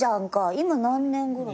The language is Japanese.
今何年ぐらい？